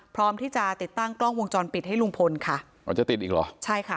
พร้อมที่จะติดตั้งกล้องวงจรปิดให้ลุงพลค่ะอ๋อจะติดอีกเหรอใช่ค่ะ